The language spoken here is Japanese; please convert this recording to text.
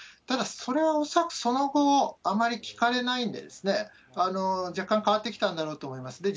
ただ、それは恐らくその後、あまり聞かれないんで、若干変わってきたんだろうと思います。